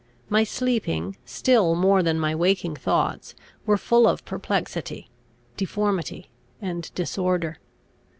My sleeping, still more than my waking thoughts, were full of perplexity, deformity, and disorder.